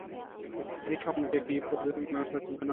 এটি সম্প্রতি একটি প্রযোজনা ঘর।